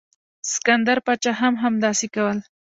سکندر پاچا هم همداسې کول.